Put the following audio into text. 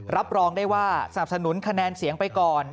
รับรองได้ว่าสนับสนุนคะแนนเสียงไปก่อน